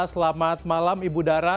selamat malam ibu dara